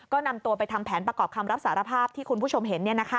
ก็นำตัวไปทำแผนประกอบคำรับสารภาพที่คุณผู้ชมเห็น